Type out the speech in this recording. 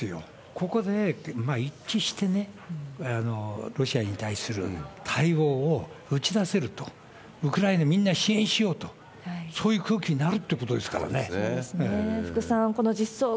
ここで一致してね、ロシアに対する対応を打ち出せると、ウクライナ、みんな支援しようと、そういう空気になるってことですからね。